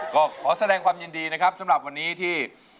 ก็ขอแสดงความยินดีนะครับสำหรับวันนี้ที่